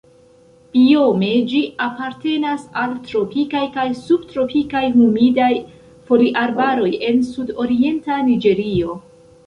Biome ĝi apartenas al tropikaj kaj subtropikaj humidaj foliarbaroj en sudorienta Niĝerio.